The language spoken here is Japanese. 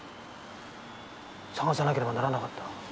探さなければならなかった。